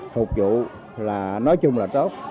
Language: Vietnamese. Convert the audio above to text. phục vụ là nói chung là tốt